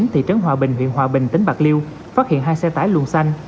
thị trấn hòa bình huyện hòa bình tỉnh bạc liêu phát hiện hai xe tải luồn xanh